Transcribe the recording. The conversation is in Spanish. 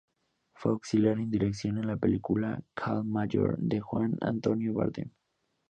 Fue auxiliar de dirección en la película "Calle Mayor" de Juan Antonio Bardem.